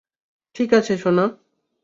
ঠিক আছে, সোনা?